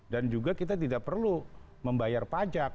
dan juga kita tidak perlu membayar pajak